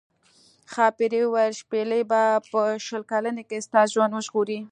ښاپیرۍ وویل شپیلۍ به په شل کلنۍ کې ستا ژوند وژغوري.